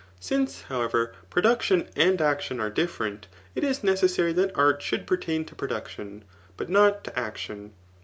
Since, however, production and action are different, it is necessary that art should pertain to production, but not to action.